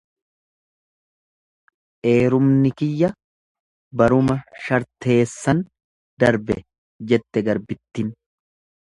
Eerumni kiyya baruma sharteessan darbe jette garbittin.